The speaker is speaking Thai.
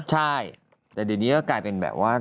ใช่แต่เดี๋ยวนี้ก็กลายเป็นแบบว่า